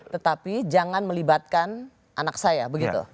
tetapi jangan melibatkan anak saya begitu